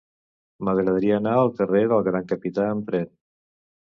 M'agradaria anar al carrer del Gran Capità amb tren.